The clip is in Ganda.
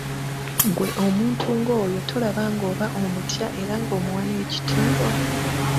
Ggwe omuntu ng'oyo tolaba ng'oba omutya era ng'omuwa n'ekitiibwa?